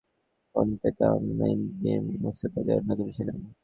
লেখার ভুল ধরিয়ে দিতে যাঁদের ফোন পেতাম, এবিএম মূসা তাঁদের অন্যতম ছিলেন।